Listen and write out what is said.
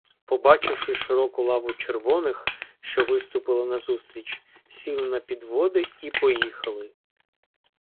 Побачивши широку лаву червоних, що виступила назустріч, сіли на підводи і поїхали.